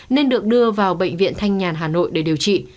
nên được đưa vào bệnh viện thanh nhàn hà nội để điều trị